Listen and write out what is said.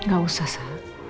gak usah sa